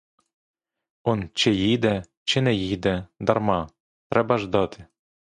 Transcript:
Он чи їде, чи не їде, дарма, треба ждати!